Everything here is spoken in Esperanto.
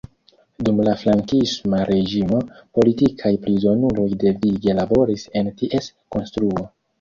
Dum la Frankisma reĝimo, politikaj prizonuloj devige laboris en ties konstruo.